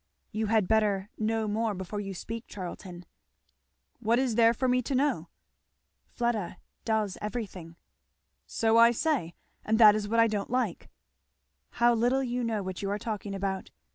"You had better know more before you speak, Charlton." "What is there for me to know?" "Fleda does everything." "So I say; and that is what I don't like." "How little you know what you are talking about!"